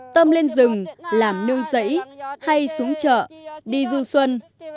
tâm lên rừng làm nương giấy hay xuống chợ đi du xuân